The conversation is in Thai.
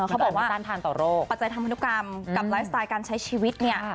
เขาบอกว่าปัจจัยทางพนุกรรมกับไลฟ์สไตล์การใช้ชีวิตเนี่ย